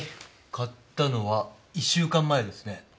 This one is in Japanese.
買ったのは１週間前ですね。